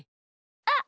あっ！